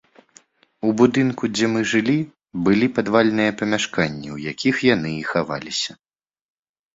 У будынку, дзе мы жылі, былі падвальныя памяшканні, у якіх яны і хаваліся.